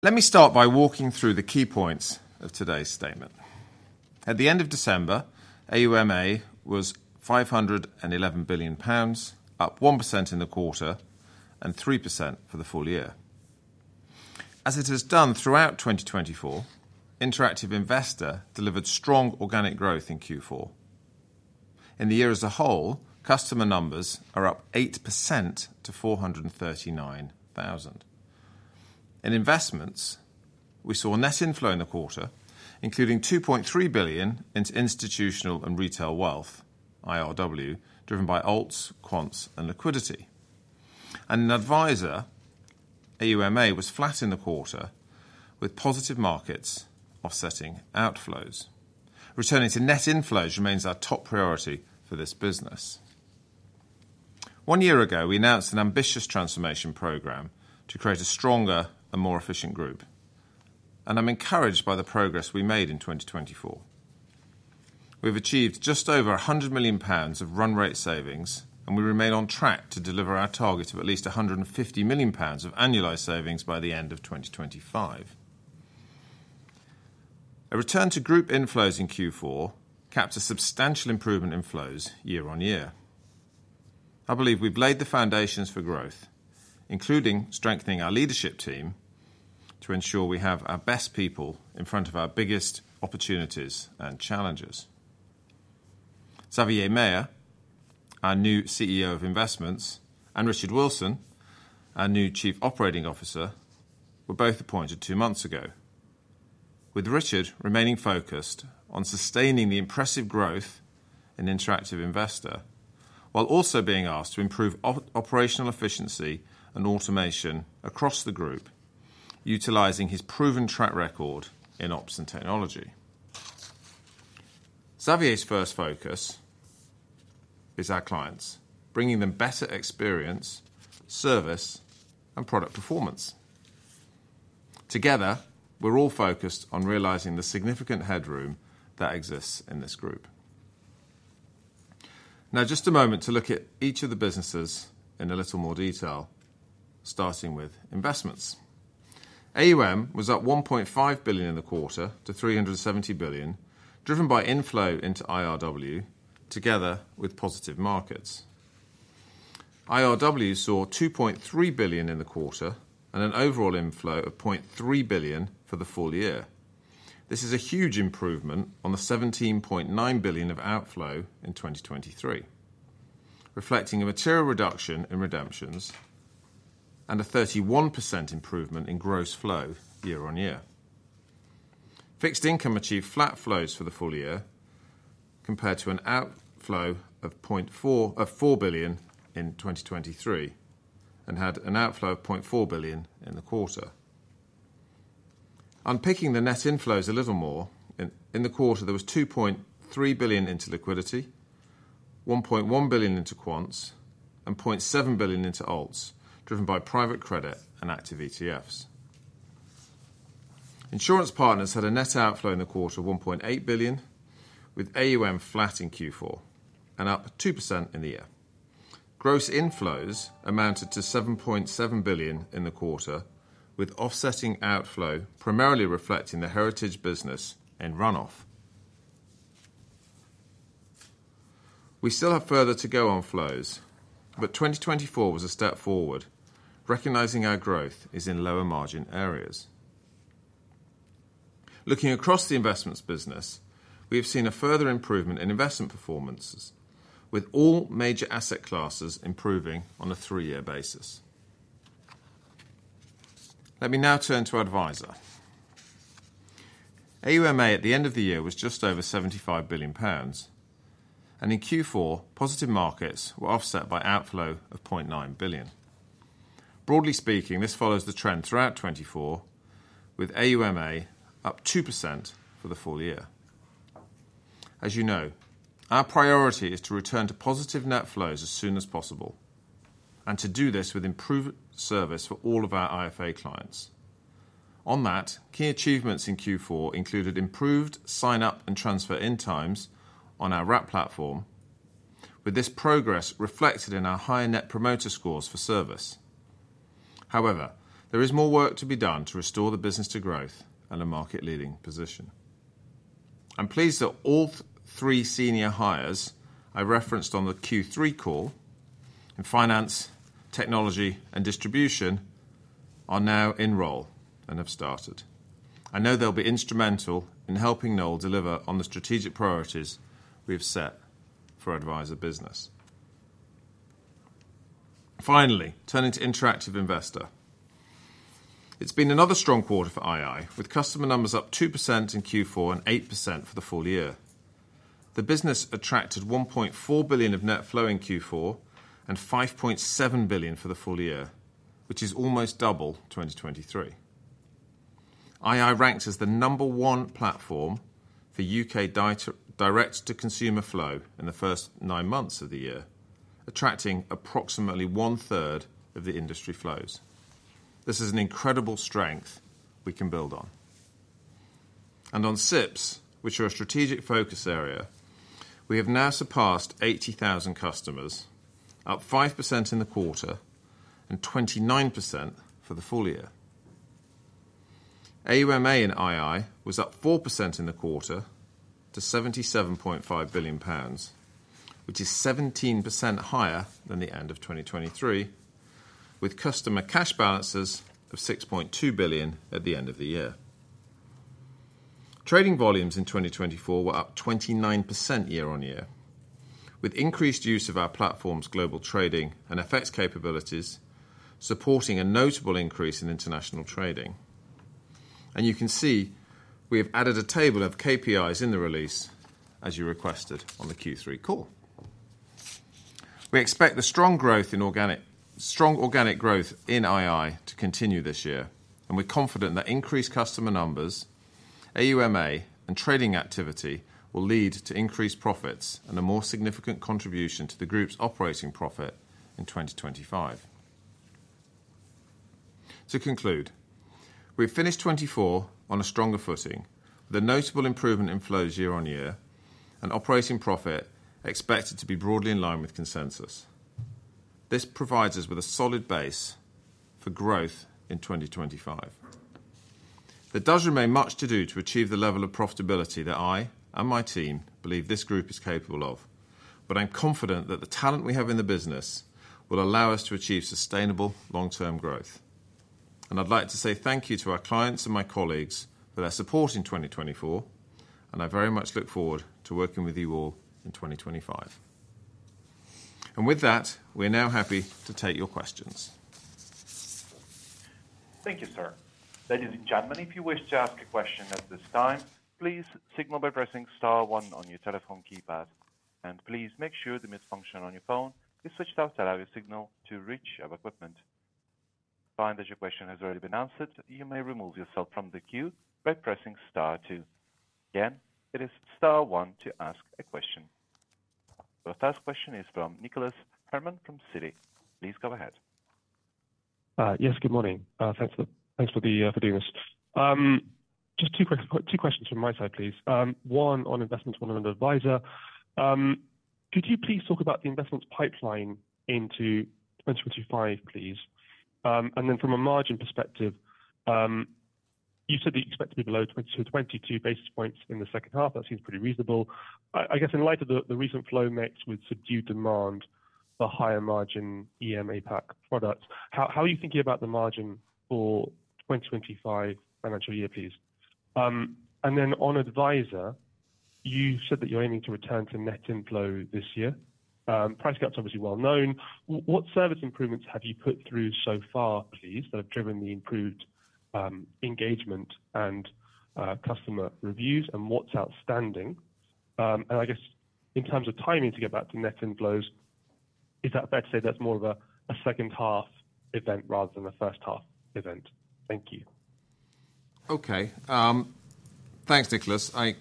Let me start by walking through the key points of today's statement. At the end of December, AUMA was 511 billion pounds, up 1% in the quarter and 3% for the full year. As it has done throughout 2024, Interactive Investor delivered strong organic growth in Q4. In the year as a whole, customer numbers are up 8% to 439,000. In Investments, we saw net inflow in the quarter, including 2.3 billion into Institutional and Retail Wealth (IRW), driven by alts, quants, and liquidity, and in Adviser, AUMA was flat in the quarter, with positive markets offsetting outflows. Returning to net inflows remains our top priority for this business. One year ago, we announced an ambitious transformation program to create a stronger and more efficient group, and I'm encouraged by the progress we made in 2024. We've achieved just over 100 million pounds of run-rate savings, and we remain on track to deliver our target of at least 150 million pounds of annualized savings by the end of 2025. A return to group inflows in Q4 capped a substantial improvement in flows year-on-year. I believe we've laid the foundations for growth, including strengthening our leadership team to ensure we have our best people in front of our biggest opportunities and challenges. Xavier Meyer, our new CEO of Investments, and Richard Wilson, our new Chief Operating Officer, were both appointed two months ago, with Richard remaining focused on sustaining the impressive growth in Interactive Investor while also being asked to improve operational efficiency and automation across the group, utilizing his proven track record in ops and technology. Xavier's first focus is our clients, bringing them better experience, service, and product performance. Together, we're all focused on realizing the significant headroom that exists in this group. Now, just a moment to look at each of the businesses in a little more detail, starting with investments. AUM was up 1.5 billion in the quarter to 370 billion, driven by inflow into IRW, together with positive markets. IRW saw 2.3 billion in the quarter and an overall inflow of 0.3 billion for the full year. This is a huge improvement on the 17.9 billion of outflow in 2023, reflecting a material reduction in redemptions and a 31% improvement in gross flow year-on-year. Fixed income achieved flat flows for the full year, compared to an outflow of 4 billion in 2023 and had an outflow of 0.4 billion in the quarter. Unpicking the net inflows a little more, in the quarter, there was 2.3 billion into liquidity, 1.1 billion into quants, and 0.7 billion into alts, driven by private credit and Insurance Partners had a net outflow in the quarter of 1.8 billion, with AUM flat in Q4 and up 2% in the year. Gross inflows amounted to 7.7 billion in the quarter, with offsetting outflow primarily reflecting the heritage business in run-off. We still have further to go on flows, but 2024 was a step forward, recognizing our growth is in lower margin areas. Looking across the Investments business, we have seen a further improvement in investment performances, with all major asset classes improving on a three-year basis. Let me now turn to Adviser. AUMA at the end of the year was just over GBP 75 billion, and in Q4, positive markets were offset by outflow of GBP 0.9 billion. Broadly speaking, this follows the trend throughout 2024, with AUMA up 2% for the full year. As you know, our priority is to return to positive net flows as soon as possible and to do this with improved service for all of our IFA clients. On that, key achievements in Q4 included improved sign-up and transfer-in times on our Wrap platform, with this progress reflected in our higher Net Promoter Scores for service. However, there is more work to be done to restore the business to growth and a market-leading position. I'm pleased that all three senior hires I referenced on the Q3 call in finance, technology, and distribution are now in role and have started. I know they'll be instrumental in helping Noel deliver on the strategic priorities we've set for Adviser business. Finally, turning to Interactive Investor. It's been another strong quarter for ii, with customer numbers up 2% in Q4 and 8% for the full year. The business attracted 1.4 billion of net flow in Q4 and 5.7 billion for the full year, which is almost double 2023. ii ranks as the number one platform for U.K. direct-to-consumer flow in the first nine months of the year, attracting approximately one-third of the industry flows. This is an incredible strength we can build on. And on SIPPs, which are a strategic focus area, we have now surpassed 80,000 customers, up 5% in the quarter and 29% for the full year. AUMA in ii was up 4% in the quarter to 77.5 billion pounds, which is 17% higher than the end of 2023, with customer cash balances of 6.2 billion at the end of the year. Trading volumes in 2024 were up 29% year-on-year, with increased use of our platform's global trading and FX capabilities supporting a notable increase in international trading, and you can see we have added a table of KPIs in the release, as you requested, on the Q3 call. We expect the strong organic growth in ii to continue this year, and we're confident that increased customer numbers, AUMA, and trading activity will lead to increased profits and a more significant contribution to the group's operating profit in 2025. To conclude, we've finished 2024 on a stronger footing, with a notable improvement in flows year-on-year and operating profit expected to be broadly in line with consensus. This provides us with a solid base for growth in 2025. There does remain much to do to achieve the level of profitability that I and my team believe this group is capable of, but I'm confident that the talent we have in the business will allow us to achieve sustainable long-term growth. And I'd like to say thank you to our clients and my colleagues for their support in 2024, and I very much look forward to working with you all in 2025. And with that, we're now happy to take your questions. Thank you, sir. Ladies and gentlemen, if you wish to ask a question at this time, please signal by pressing Star 1 on your telephone keypad, and please make sure the mute function on your phone is switched off to allow your signal to reach your equipment. If you find that your question has already been answered, you may remove yourself from the queue by pressing Star 2. Again, it is Star 1 to ask a question. Our first question is from Nicholas Herman from Citi. Please go ahead. Yes, good morning. Thanks for being with us. Just two questions from my side, please. One on Investments, one on Adviser. Could you please talk about the Investments pipeline into 2025, please? And then from a margin perspective, you said that you expect to be below 22-22 basis points in the second half. That seems pretty reasonable. I guess in light of the recent flow mix with subdued demand for higher margin EM APAC products, how are you thinking about the margin for 2025 financial year, please? And then on Adviser, you said that you're aiming to return to net inflow this year. Price gap's obviously well known. What service improvements have you put through so far, please, that have driven the improved engagement and customer reviews, and what's outstanding? I guess in terms of timing to get back to net inflows, is that fair to say that's more of a second half event rather than a first half event? Thank you. Okay. Thanks, Nicholas. I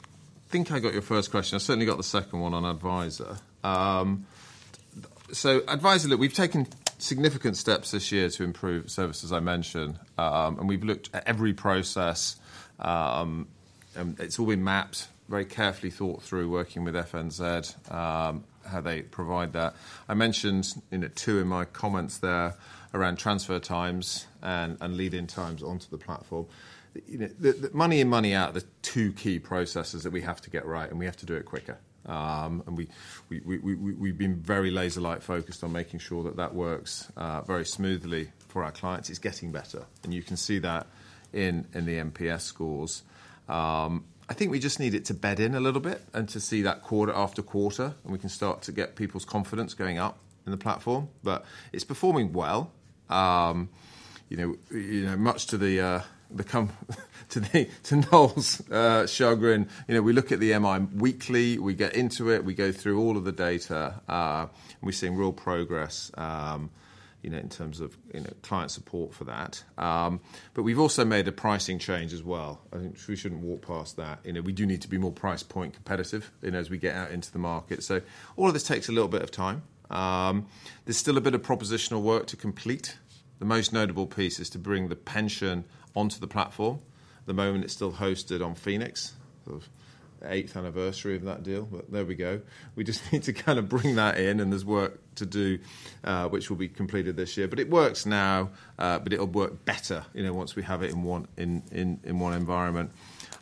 think I got your first question. I certainly got the second one on Adviser. So Adviser, look, we've taken significant steps this year to improve services I mentioned, and we've looked at every process. It's all been mapped, very carefully thought through, working with FNZ, how they provide that. I mentioned two in my comments there around transfer times and lead-in times onto the platform. Money in, money out, the two key processes that we have to get right, and we have to do it quicker. And we've been very laser-like focused on making sure that that works very smoothly for our clients. It's getting better, and you can see that in the NPS scores. I think we just need it to bed in a little bit and to see that quarter after quarter, and we can start to get people's confidence going up in the platform. But it's performing well, much to Noel's chagrin. We look at the MI weekly, we get into it, we go through all of the data, and we're seeing real progress in terms of client support for that. But we've also made a pricing change as well. I think we shouldn't walk past that. We do need to be more price point competitive as we get out into the market. So all of this takes a little bit of time. There's still a bit of proposition work to complete. The most notable piece is to bring the pension onto the platform. The moment it's still hosted on Phoenix, the eighth anniversary of that deal. But there we go. We just need to kind of bring that in, and there's work to do, which will be completed this year. But it works now, but it'll work better once we have it in one environment.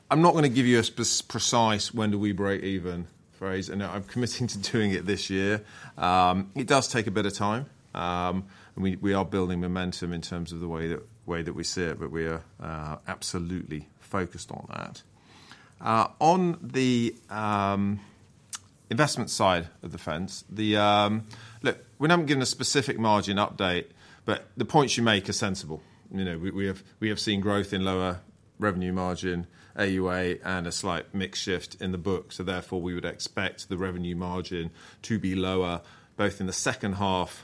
I'm not going to give you a precise when do we break even phrase. I'm committing to doing it this year. It does take a bit of time, and we are building momentum in terms of the way that we see it, but we are absolutely focused on that. On the investment side of the fence, look, we're not giving a specific margin update, but the points you make are sensible. We have seen growth in lower revenue margin, AUA, and a slight mix shift in the book. So therefore, we would expect the revenue margin to be lower both in the second half of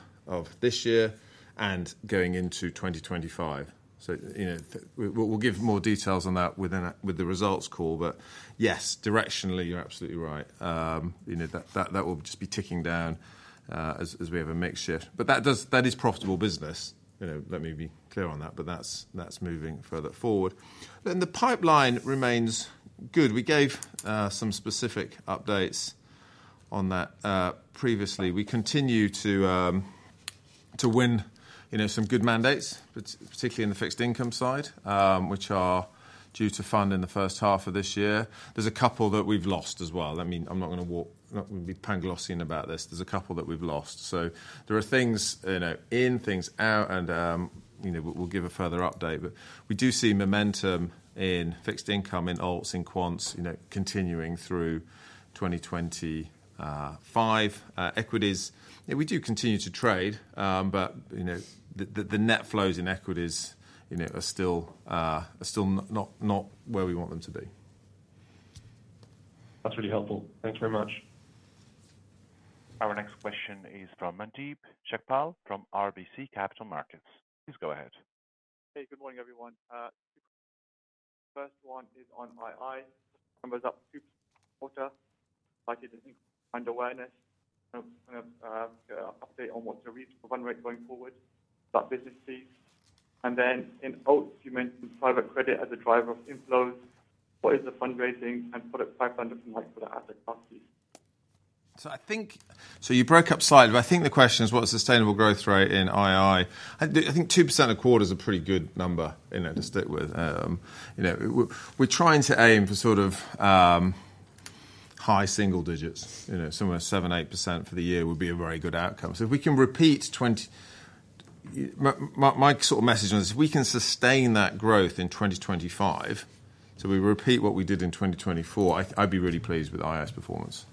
this year and going into 2025. So we'll give more details on that with the results call. But yes, directionally, you're absolutely right. That will just be ticking down as we have a mix shift. But that is profitable business. Let me be clear on that, but that's moving further forward. But the pipeline remains good. We gave some specific updates on that previously. We continue to win some good mandates, particularly in the fixed income side, which are due to fund in the first half of this year. There's a couple that we've lost as well. I mean, I'm not going to be Panglossian about this. There's a couple that we've lost. So there are things in, things out, and we'll give a further update. But we do see momentum in fixed income, in alts, in quants, continuing through 2025. Equities, we do continue to trade, but the net flows in equities are still not where we want them to be. That's really helpful. Thanks very much. Our next question is from Mandeep Jagpal from RBC Capital Markets. Please go ahead. Hey, good morning, everyone. The first one is on ii. Customer numbers up two quarters, likely to increase fund awareness, kind of update on what's the reason run rate going forward, that business piece. And then in alts, you mentioned private credit as a driver of inflows. What is the fundraising and product pipeline looking like for the asset classes? You broke up slightly, but I think the question is, what's the sustainable growth rate in ii? I think 2% of quarters is a pretty good number to stick with. We're trying to aim for sort of high single digits. Somewhere 7%, 8% for the year would be a very good outcome. If we can repeat my sort of message on this, if we can sustain that growth in 2025, so we repeat what we did in 2024, I'd be really pleased with ii's performance.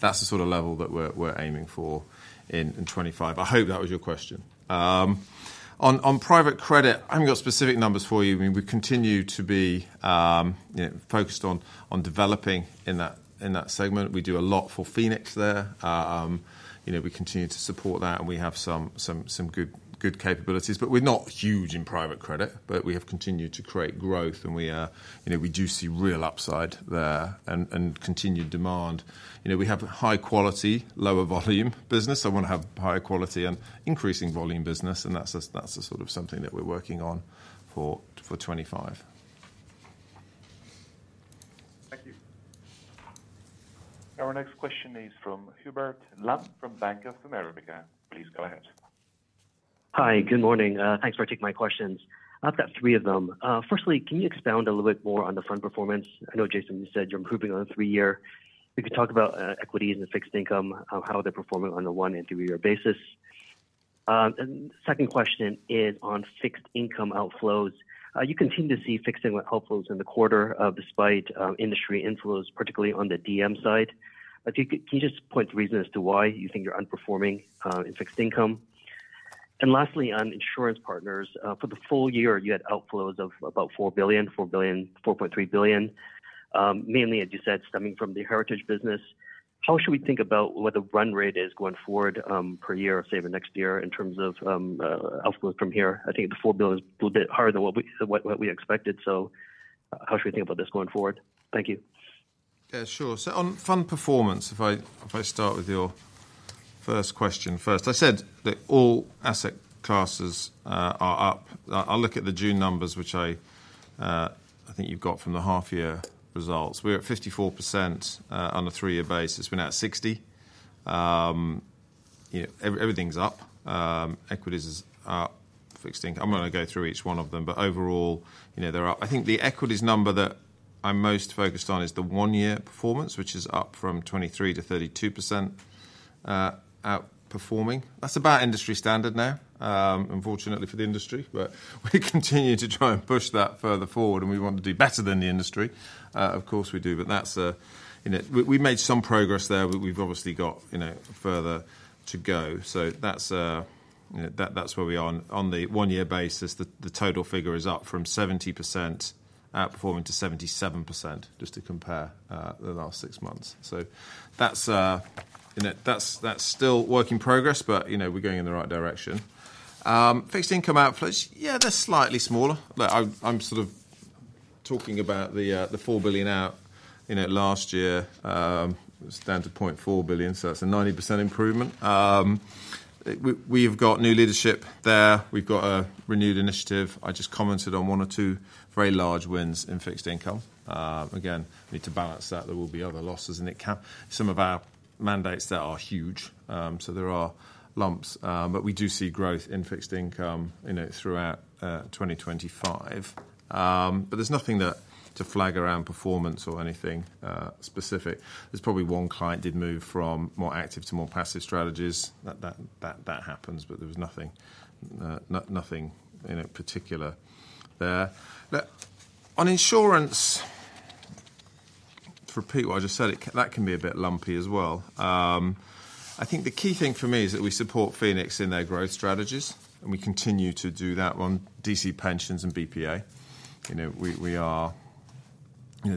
That's the sort of level that we're aiming for in 2025. I hope that was your question. On private credit, I haven't got specific numbers for you. We continue to be focused on developing in that segment. We do a lot for Phoenix there. We continue to support that, and we have some good capabilities. But we're not huge in private credit, but we have continued to create growth, and we do see real upside there and continued demand. We have high-quality, lower-volume business. I want to have higher quality and increasing volume business, and that's the sort of something that we're working on for 2025. Thank you. Our next question is from Hubert Lam from Bank of America. Please go ahead. Hi, good morning. Thanks for taking my questions. I've got three of them. Firstly, can you expound a little bit more on the fund performance? I know, Jason, you said you're improving on the three-year. We could talk about equities and fixed income, how they're performing on a one and two-year basis. And the second question is on fixed income outflows. You continue to see fixed income outflows in the quarter despite industry inflows, particularly on the DM side. Can you just point to reasons as to why you think you're underperforming in fixed income? And Insurance Partners, for the full year, you had outflows of about 4 billion, 4.3 billion, mainly, as you said, stemming from the heritage business. How should we think about what the run rate is going forward per year, say, the next year, in terms of outflows from here? I think the 4 billion is a little bit higher than what we expected. So how should we think about this going forward? Thank you. Yeah, sure. So on fund performance, if I start with your first question first, I said that all asset classes are up. I'll look at the June numbers, which I think you've got from the half-year results. We're at 54% on a three-year basis. We're now at 60%. Everything's up. Equities are up. I'm not going to go through each one of them, but overall, I think the equities number that I'm most focused on is the one-year performance, which is up from 23%-32% outperforming. That's about industry standard now, unfortunately for the industry, but we continue to try and push that further forward, and we want to do better than the industry. Of course, we do, but we made some progress there. We've obviously got further to go. So that's where we are on the one-year basis. The total figure is up from 70% outperforming to 77%, just to compare the last six months. So that's still work in progress, but we're going in the right direction. Fixed income outflows, yeah, they're slightly smaller. I'm sort of talking about the 4 billion out last year. It's down to 0.4 billion, so that's a 90% improvement. We've got new leadership there. We've got a renewed initiative. I just commented on one or two very large wins in fixed income. Again, we need to balance that. There will be other losses, and some of our mandates that are huge. So there are lumps, but we do see growth in fixed income throughout 2025. But there's nothing to flag around performance or anything specific. There's probably one client did move from more active to more passive strategies. That happens, but there was nothing particular there. On insurance, to repeat what I just said, that can be a bit lumpy as well. I think the key thing for me is that we support Phoenix in their growth strategies, and we continue to do that on DC pensions and BPA. We are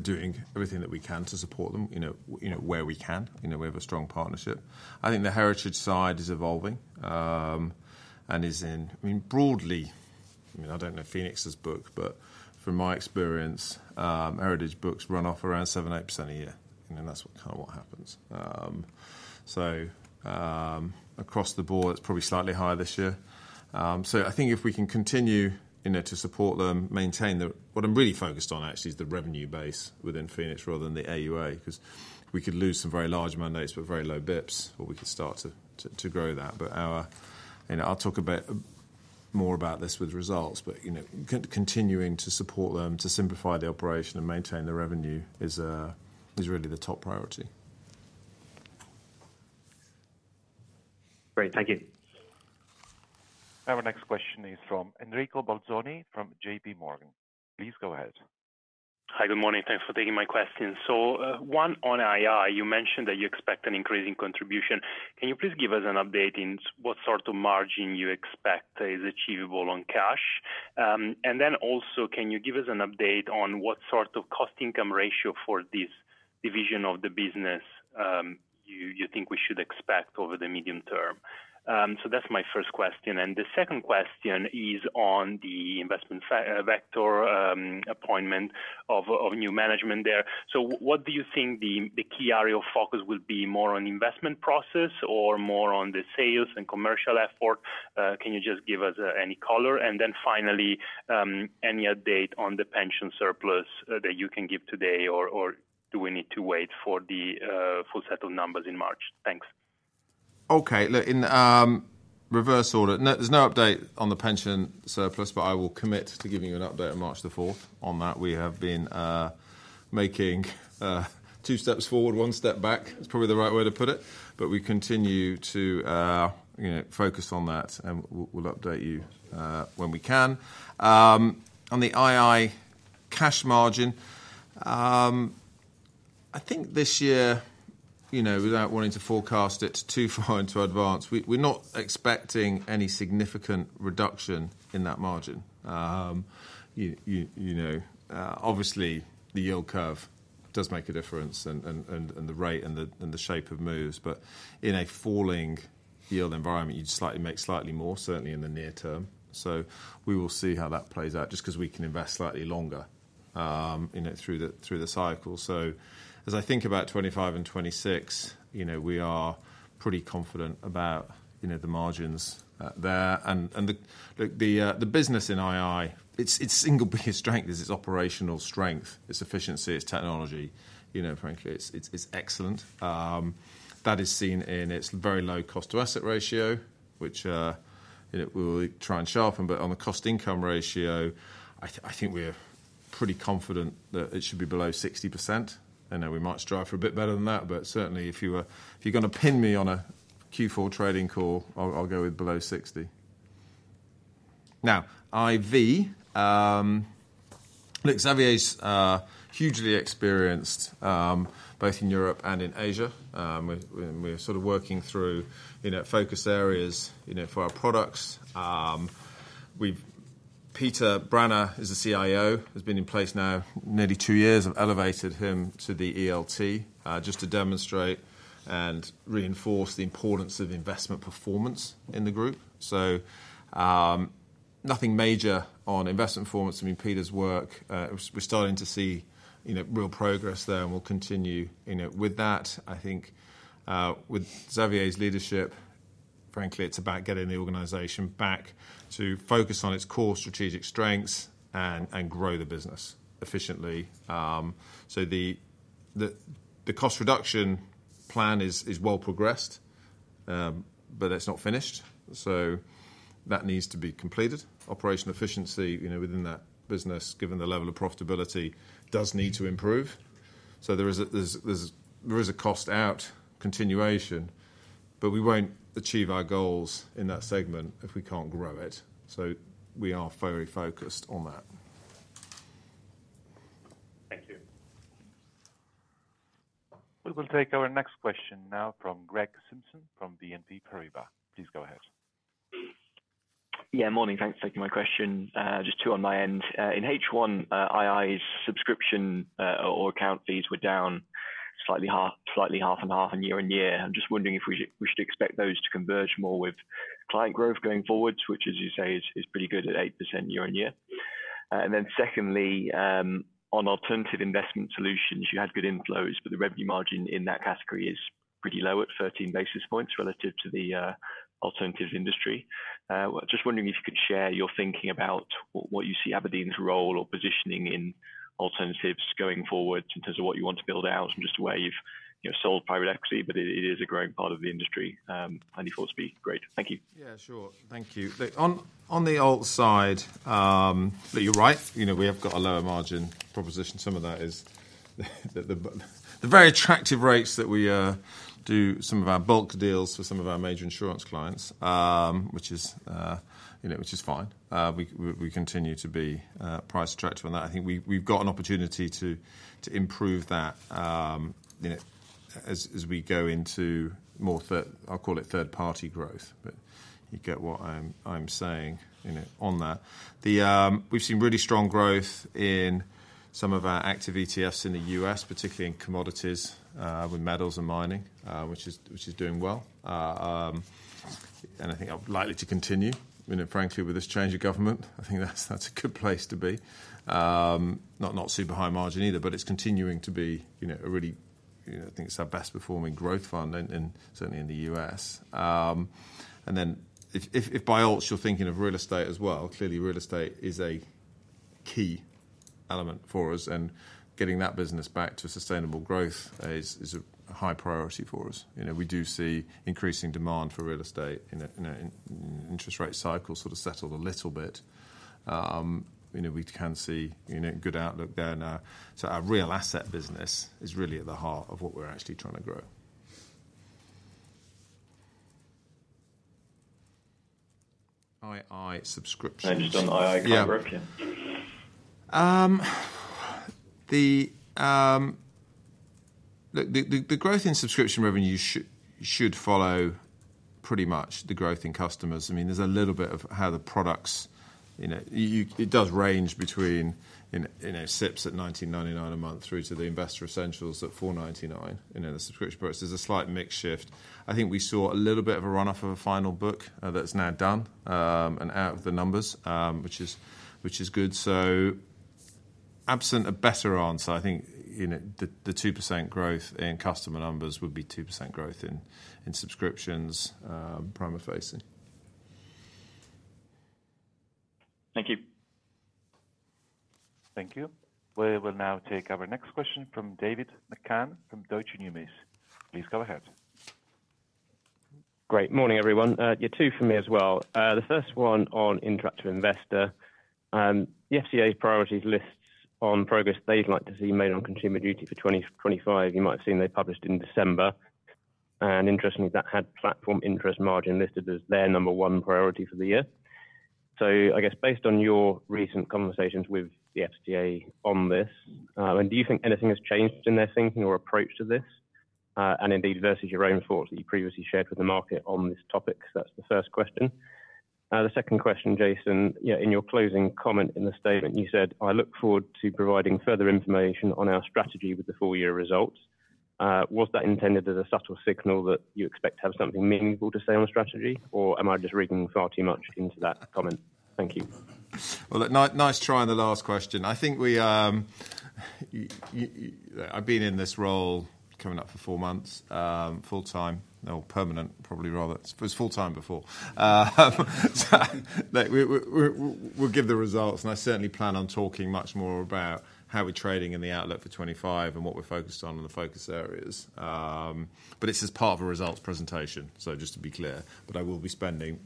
doing everything that we can to support them where we can. We have a strong partnership. I think the heritage side is evolving and is, broadly, I don't know Phoenix's book, but from my experience, heritage books run off around 7%, 8% a year. That's kind of what happens. So across the board, it's probably slightly higher this year. I think if we can continue to support them, maintain the what I'm really focused on, actually, is the revenue base within Phoenix rather than the AUA, because we could lose some very large mandates, but very low basis points, or we could start to grow that. But I'll talk a bit more about this with results, but continuing to support them, to simplify the operation and maintain the revenue is really the top priority. Great. Thank you. Our next question is from Enrico Bolzoni from JPMorgan. Please go ahead. Hi, good morning. Thanks for taking my question. So one on ii, you mentioned that you expect an increasing contribution. Can you please give us an update on what sort of margin you expect is achievable on cash? And then also, can you give us an update on what sort of cost-income ratio for this division of the business you think we should expect over the medium term? So that's my first question. And the second question is on the Investments vector appointment of new management there. So what do you think the key area of focus will be, more on investment process or more on the sales and commercial effort? Can you just give us any color? And then finally, any update on the pension surplus that you can give today, or do we need to wait for the full set of numbers in March? Thanks. Okay. Look, in reverse order, there's no update on the pension surplus, but I will commit to giving you an update on March the 4th on that. We have been making two steps forward, one step back. That's probably the right way to put it. But we continue to focus on that, and we'll update you when we can. On the ii cash margin, I think this year, without wanting to forecast it too far in advance, we're not expecting any significant reduction in that margin. Obviously, the yield curve does make a difference and the rate and the shape of moves. But in a falling yield environment, you'd slightly make more, certainly in the near term. So we will see how that plays out just because we can invest slightly longer through the cycle. So as I think about 2025 and 2026, we are pretty confident about the margins there. And look, the business in ii, its single biggest strength is its operational strength, its efficiency, its technology. Frankly, it's excellent. That is seen in its very low cost-to-asset ratio, which we'll try and sharpen. But on the cost-income ratio, I think we're pretty confident that it should be below 60%. I know we might strive for a bit better than that, but certainly, if you're going to pin me on a Q4 trading call, I'll go with below 60%. Now, Investments. Look, Xavier's hugely experienced both in Europe and in Asia. We're sort of working through focus areas for our products. Peter Branner is the CIO, has been in place now nearly two years. I've elevated him to the ELT just to demonstrate and reinforce the importance of investment performance in the group. Nothing major on investment performance. I mean, Peter's work, we're starting to see real progress there, and we'll continue with that. I think with Xavier's leadership, frankly, it's about getting the organization back to focus on its core strategic strengths and grow the business efficiently. The cost reduction plan is well progressed, but it's not finished. That needs to be completed. Operational efficiency within that business, given the level of profitability, does need to improve. There is a cost-out continuation, but we won't achieve our goals in that segment if we can't grow it. We are very focused on that. Thank you. We will take our next question now from Greg Simpson from BNP Paribas. Please go ahead. Yeah, morning. Thanks for taking my question. Just two on my end. In H1, ii's subscription or account fees were down slightly half and half and year-on-year. I'm just wondering if we should expect those to converge more with client growth going forward, which, as you say, is pretty good at 8% year-on-year. And then secondly, on alternative investment solutions, you had good inflows, but the revenue margin in that category is pretty low at 13 basis points relative to the alternative industry. Just wondering if you could share your thinking about what you see abrdn's role or positioning in alternatives going forward in terms of what you want to build out and just the way you've sold private equity, but it is a growing part of the industry, and you thought it'd be great. Thank you. Yeah, sure. Thank you. Look, on the Alts side, look, you're right. We have got a lower margin proposition. Some of that is the very attractive rates that we do some of our bulk deals for some of our major insurance clients, which is fine. We continue to be price attractive on that. I think we've got an opportunity to improve that as we go into more, I'll call it third-party growth, but you get what I'm saying on that. We've seen really strong growth in some of our active ETFs in the U.S., particularly in commodities with metals and mining, which is doing well, and I think likely to continue, frankly, with this change of government. I think that's a good place to be. Not super high margin either, but it's continuing to be a really, I think it's our best-performing growth fund, certainly in the U.S. And then if by alts, you're thinking of real estate as well, clearly real estate is a key element for us, and getting that business back to sustainable growth is a high priority for us. We do see increasing demand for real estate in an interest rate cycle sort of settled a little bit. We can see good outlook there. So our real asset business is really at the heart of what we're actually trying to grow. ii subscriptions. You've done ii coverage? Look, the growth in subscription revenue should follow pretty much the growth in customers. I mean, there's a little bit of how the products, it does range between SIPPs at 19.99 a month through to the Investor Essentials a 4.99 in the subscription price. There's a slight mixed shift. I think we saw a little bit of a run-off of a final book that's now done and out of the numbers, which is good. So absent a better answer, I think the 2% growth in customer numbers would be 2% growth in subscriptions primary facing. Thank you. Thank you. We will now take our next question from David McCann from Deutsche Numis. Please go ahead. Great. Morning, everyone. Yeah, two for me as well. The first one on Interactive Investor. The FCA's priorities lists on progress they'd like to see made on Consumer Duty for 2025. You might have seen they published in December, and interestingly, that had platform interest margin listed as their number one priority for the year. I guess based on your recent conversations with the FCA on this, do you think anything has changed in their thinking or approach to this? And indeed, versus your own thoughts that you previously shared with the market on this topic, that's the first question. The second question, Jason, in your closing comment in the statement, you said, "I look forward to providing further information on our strategy with the full year results." Was that intended as a subtle signal that you expect to have something meaningful to say on strategy, or am I just reading far too much into that comment? Thank you. Well, nice try on the last question. I think I've been in this role coming up for four months, full-time, or permanent, probably rather. It was full-time before. We'll give the results, and I certainly plan on talking much more about how we're trading in the outlook for 2025 and what we're focused on and the focus areas. But it's as part of a results presentation, so just to be clear. But I will be spending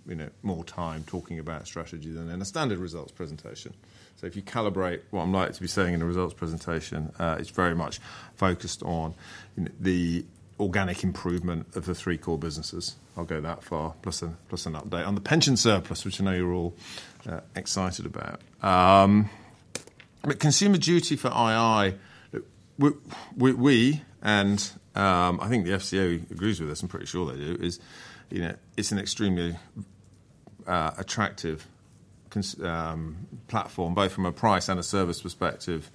more time talking about strategy than in a standard results presentation. So if you calibrate what I'm likely to be saying in a results presentation, it's very much focused on the organic improvement of the three core businesses. I'll go that far, plus an update on the pension surplus, which I know you're all excited about. Consumer Duty for ii, we, and I think the FCA agrees with this, I'm pretty sure they do, is it's an extremely attractive platform, both from a price and a service perspective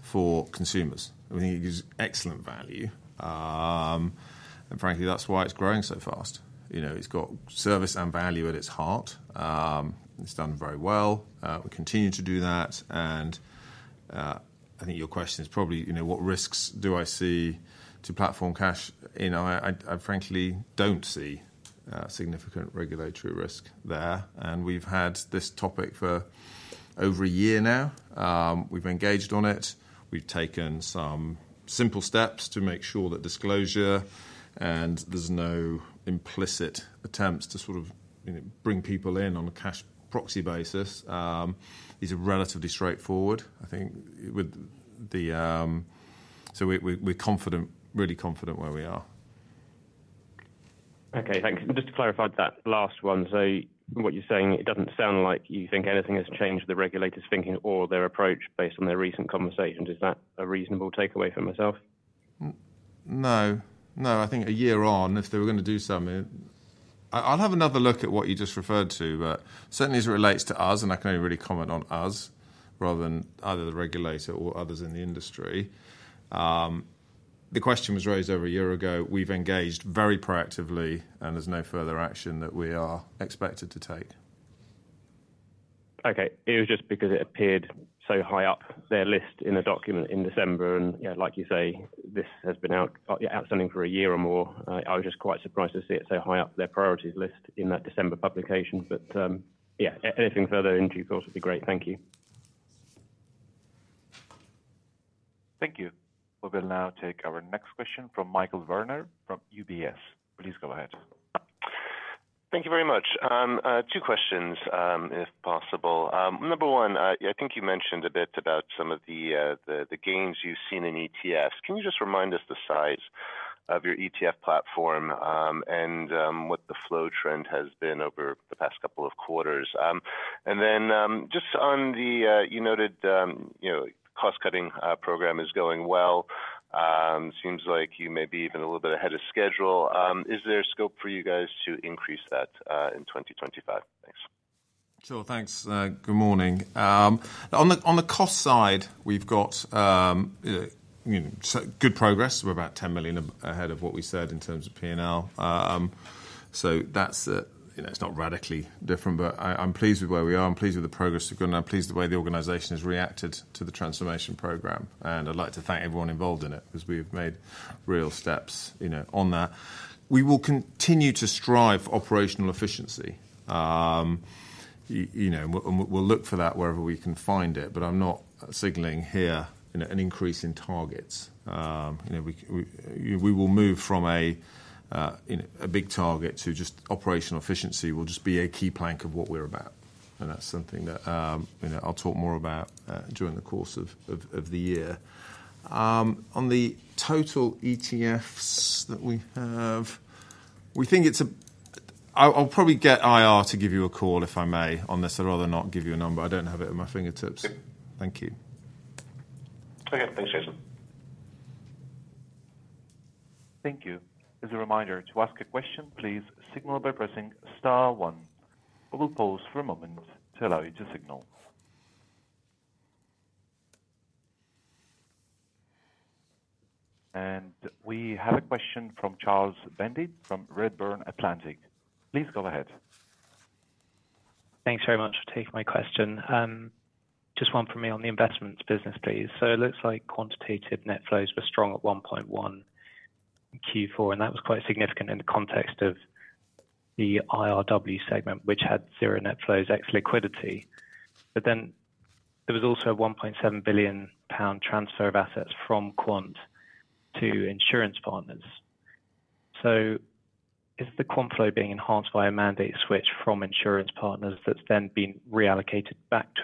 for consumers. I think it gives excellent value. And frankly, that's why it's growing so fast. It's got service and value at its heart. It's done very well. We continue to do that. And I think your question is probably, what risks do I see to platform cash? I frankly don't see significant regulatory risk there. And we've had this topic for over a year now. We've engaged on it. We've taken some simple steps to make sure that disclosure and there's no implicit attempts to sort of bring people in on a cash proxy basis is relatively straightforward, I think. So we're confident, really confident where we are. Okay. Thanks. Just to clarify that last one. So what you're saying, it doesn't sound like you think anything has changed the regulators' thinking or their approach based on their recent conversations. Is that a reasonable takeaway for myself? No. No. I think a year on, if they were going to do something, I'll have another look at what you just referred to, but certainly as it relates to us, and I can only really comment on us rather than either the regulator or others in the industry. The question was raised over a year ago. We've engaged very proactively, and there's no further action that we are expected to take. Okay. It was just because it appeared so high up their list in a document in December. And like you say, this has been outstanding for a year or more. I was just quite surprised to see it so high up their priorities list in that December publication. But yeah, anything further into your thoughts would be great. Thank you. Thank you. We will now take our next question from Michael Werner from UBS. Please go ahead. Thank you very much. Two questions, if possible. Number one, I think you mentioned a bit about some of the gains you've seen in ETFs. Can you just remind us the size of your ETF platform and what the flow trend has been over the past couple of quarters? And then just on the, you noted cost-cutting program is going well. Seems like you may be even a little bit ahead of schedule. Is there scope for you guys to increase that in 2025? Thanks. Sure. Thanks. Good morning. On the cost side, we've got good progress. We're about 10 million ahead of what we said in terms of P&L. So it's not radically different, but I'm pleased with where we are. I'm pleased with the progress we've gotten. I'm pleased with the way the organization has reacted to the transformation program. And I'd like to thank everyone involved in it because we've made real steps on that. We will continue to strive for operational efficiency. We'll look for that wherever we can find it, but I'm not signaling here an increase in targets. We will move from a big target to just operational efficiency will just be a key plank of what we're about. And that's something that I'll talk more about during the course of the year. On the total ETFs that we have, I'll probably get IR to give you a call if I may, on this or rather not give you a number. I don't have it at my fingertips. Thank you. Okay. Thanks, Jason. Thank you. As a reminder, to ask a question, please signal by pressing star one. We will pause for a moment to allow you to signal. And we have a question from Charles Bendit from Redburn Atlantic. Please go ahead. Thanks very much for taking my question. Just one for me on the investments business, please. So it looks like quantitative net flows were strong at 1.1 Q4, and that was quite significant in the context of the IRW segment, which had zero net flows, ex liquidity. But then there was also a 1.7 billion pound transfer of assets from Insurance Partners. so is the quant flow being enhanced by a mandate Insurance Partners that's then been reallocated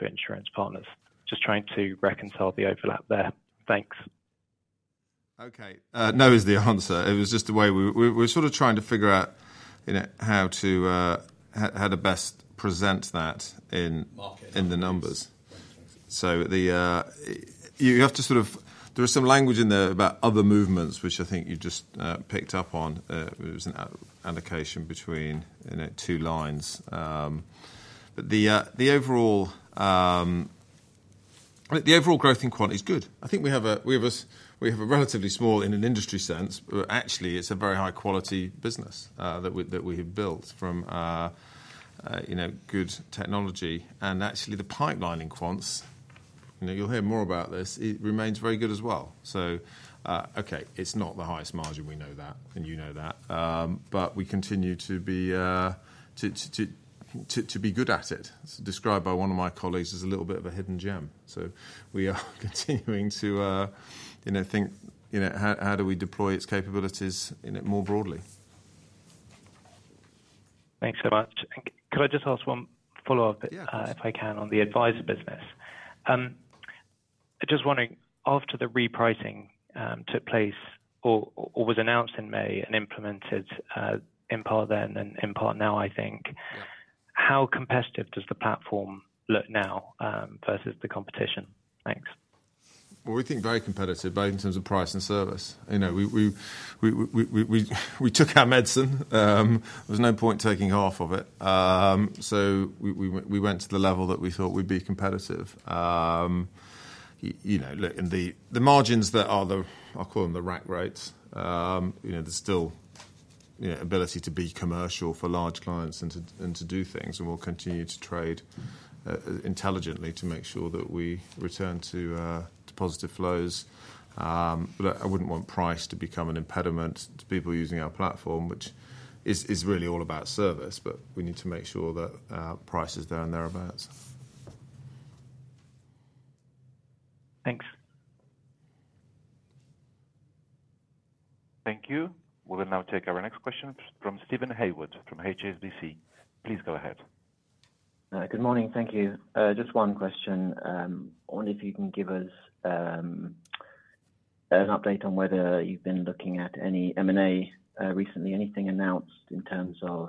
Insurance Partners? just trying to reconcile the overlap there. Thanks. Okay. No is the answer. It was just the way we were sort of trying to figure out how to best present that in the numbers. So you have to sort of, there was some language in there about other movements, which I think you just picked up on. It was an allocation between two lines. But the overall growth in quants is good. I think we have a relatively small, in an industry sense, but actually it's a very high-quality business that we have built from good technology. And actually the pipeline in quants, you'll hear more about this, it remains very good as well. So okay, it's not the highest margin, we know that, and you know that. But we continue to be good at it. It's described by one of my colleagues as a little bit of a hidden gem. We are continuing to think, how do we deploy its capabilities more broadly? Thanks so much. And could I just ask one follow-up, if I can, on the Adviser business? Just wondering, after the repricing took place or was announced in May and implemented in part then and in part now, I think, how competitive does the platform look now versus the competition? Thanks. We think very competitive, both in terms of price and service. We took our medicine. There was no point taking half of it. We went to the level that we thought we'd be competitive. The margins that are, I'll call them the rack rates, there's still ability to be commercial for large clients and to do things. We'll continue to trade intelligently to make sure that we return to positive flows. I wouldn't want price to become an impediment to people using our platform, which is really all about service, but we need to make sure that price is there and thereabouts. Thanks. Thank you. We will now take our next question from Steven Haywood from HSBC. Please go ahead. Good morning. Thank you. Just one question. I wonder if you can give us an update on whether you've been looking at any M&A recently, anything announced in terms of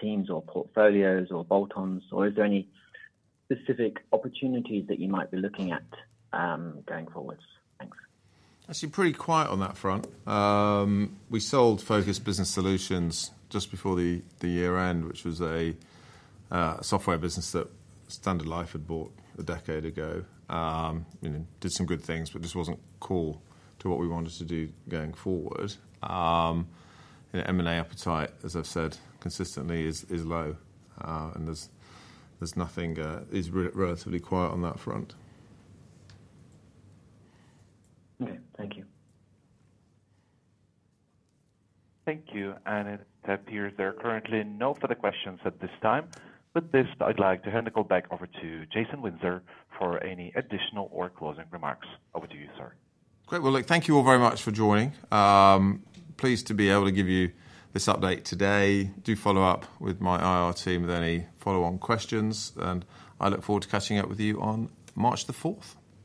teams or portfolios or bolt-ons, or is there any specific opportunities that you might be looking at going forwards? Thanks. Actually, pretty quiet on that front. We sold Focus Business Solutions just before the year end, which was a software business that Standard Life had bought a decade ago. Did some good things, but just wasn't core to what we wanted to do going forward. M&A appetite, as I've said consistently, is low, and there's nothing, it's relatively quiet on that front. Okay. Thank you. Thank you. And it appears there are currently no further questions at this time. With this, I'd like to hand the call back over to Jason Windsor for any additional or closing remarks. Over to you, sir. Great. Well, look, thank you all very much for joining. Pleased to be able to give you this update today. Do follow up with my IR team with any follow-on questions. And I look forward to catching up with you on March the 4th.